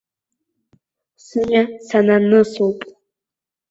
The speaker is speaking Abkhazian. Сымҩа сананысоуп.